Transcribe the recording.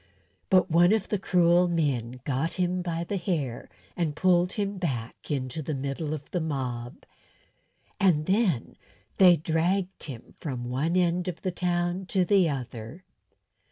But one of the cruel men got him by the hair and pulled him back into the middle of the mob; and then they dragged him from one end of the town to the other.